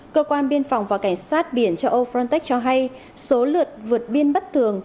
cơ quan biên phòng và cảnh sát biển châu âu cho hay số lượt vượt biên bất thường